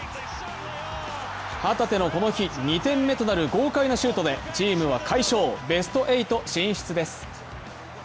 旗手のこの日２点目となる豪快なシュートでチームは快勝、ベスト８進出です。